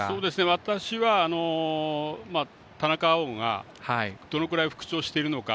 私は田中碧がどのくらい復調しているのか。